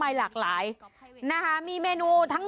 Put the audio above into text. อยากเข้าชิ้นใหม่